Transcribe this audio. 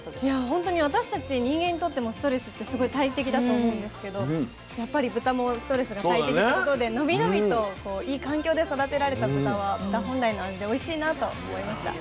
本当に私たち人間にとってもストレスってすごい大敵だと思うんですけどやっぱり豚もストレスが大敵ということでのびのびといい環境で育てられた豚は豚本来の味でおいしいなと思いました。